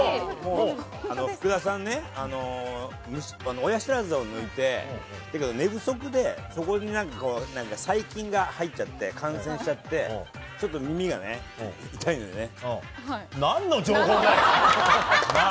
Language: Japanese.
福田さんね、親知らずを抜いて、寝不足で、そこになんか、細菌が入っちゃって感染しちゃって、ちょっと耳がね、痛いんだよね。